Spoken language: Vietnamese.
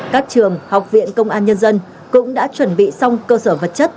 các trường học viện công an nhân dân cũng đã chuẩn bị xong cơ sở vật chất